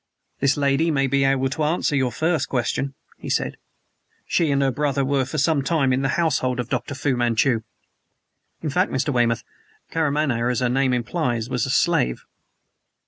"This lady may be able to answer your first question," he said. "She and her brother were for some time in the household of Dr. Fu Manchu. In fact, Mr. Weymouth, Karamaneh, as her name implies, was a slave."